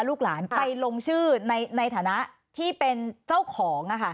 ลูกหลานไปลงชื่อในฐานะที่เป็นเจ้าของ